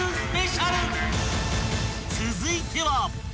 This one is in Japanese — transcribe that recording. ［続いては］